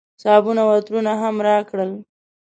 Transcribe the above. صابون او عطرونه هم راکړل.